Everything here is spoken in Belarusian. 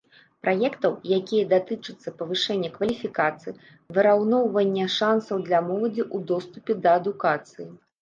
Праектаў, якія датычацца павышэння кваліфікацыі, выраўноўвання шансаў для моладзі ў доступе да адукацыі.